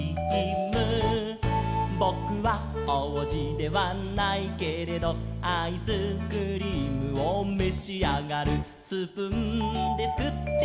「ぼくはおうじではないけれど」「アイスクリームをめしあがる」「スプーンですくってピチャッチャッチャ」